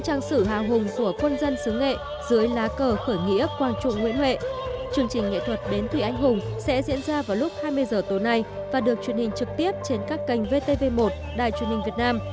chương trình nghệ thuật bến thủy anh hùng sẽ diễn ra vào lúc hai mươi h tối nay và được truyền hình trực tiếp trên các kênh vtv một đài truyền hình việt nam